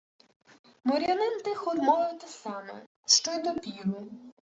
Морятин тихо мовив те саме, що й допіру: